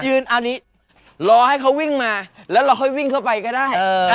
หล่อให้เขาวิ่งมาแล้วข้อบไปก็ได้